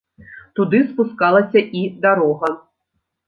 Туды спускалася і дарога.